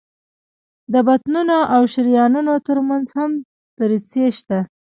د بطنونو او شریانونو تر منځ هم دریڅې شته.